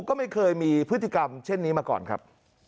ก็ไม่เคยมีพฤติกรรมเช่นนี้มาก่อนครับ